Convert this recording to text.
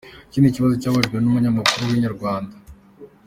Ikindi kibazo cyabajijwe n'umunyamakuru wa Inyarwanda.